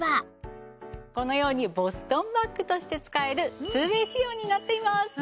このようにボストンバッグとして使える２ＷＡＹ仕様になっています。